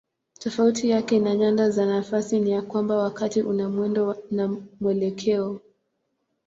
Tofauti yake na nyanda za nafasi ni ya kwamba wakati una mwendo na mwelekeo.